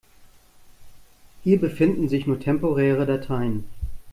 Hier befinden sich nur temporäre Dateien.